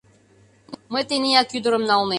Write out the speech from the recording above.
— «Мый тенияк ӱдырым налнем».